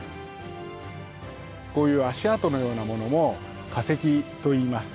こういう足跡のようなものも化石といいます。